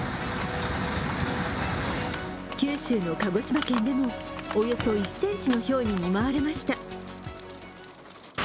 九州の鹿児島県でもおよそ１ｃｍのひょうに見舞われました。